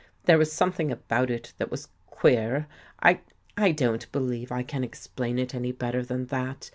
" There was something about it that was queer. I — I don't be lieve I can explain it any better than that.